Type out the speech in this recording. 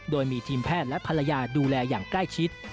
โดยมีทีมแพทย์และภรรยาดูแลอย่างใกล้ชิด